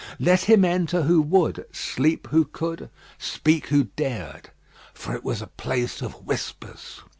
Let him enter who would, sleep who could, speak who dared; for it was a place of whispers.